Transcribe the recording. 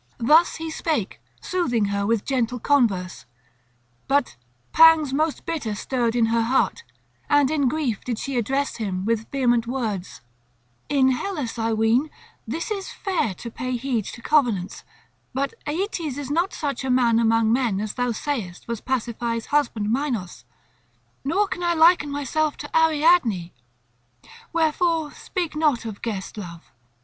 Thus he spake, soothing her with gentle converse. But pangs most bitter stirred her heart and in grief did she address him with vehement words: "In Hellas, I ween, this is fair to pay heed to covenants; but Aeetes is not such a man among men as thou sayest was Pasiphae's husband, Minos; nor can I liken myself to Ariadne; wherefore speak not of guest love.